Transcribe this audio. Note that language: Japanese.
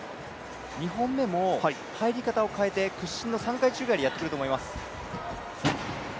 ２本目も入り方を変えて屈伸の３回転宙返りをやってくると思います。